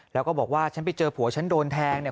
แล้วก็บอกว่าฉันไปเจอผัวฉันโดนแทงเนี่ย